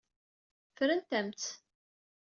Ffrent-am-tt.